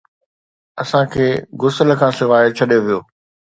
اسان کي غسل کان سواءِ ڇڏيو ويو.